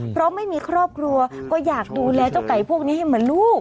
เพราะไม่มีครอบครัวก็อยากดูแลเจ้าไก่พวกนี้ให้เหมือนลูก